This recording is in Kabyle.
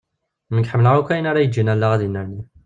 Nekk ḥemmleɣ akk ayen ara iǧǧen allaɣ ad yennerni.